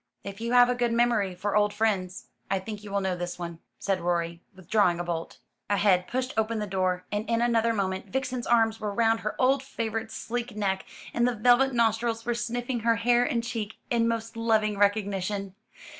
"If you have a good memory for old friends, I think you will know this one," said Rorie, withdrawing a bolt. A head pushed open the door, and in another moment Vixen's arms were round her old favourite's sleek neck, and the velvet nostrils were sniffing her hair and cheek, in most loving recognition.